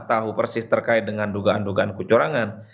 tahu persis terkait dengan dugaan dugaan kecurangan